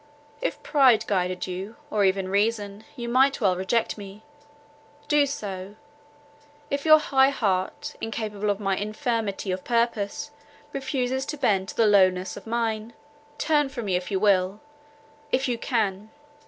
If pride guided you, or even reason, you might well reject me. Do so; if your high heart, incapable of my infirmity of purpose, refuses to bend to the lowness of mine. Turn from me, if you will,—if you can.